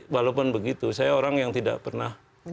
walaupun begitu saya orang yang tidak pernah